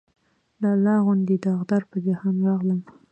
د الله غوندې داغدار پۀ جهان راغلم